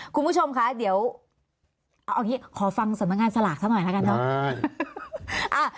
คุณผู้ชมคะเดี๋ยวขอฟังสำนักงานสลากเท่านั้นหน่อยนะครับ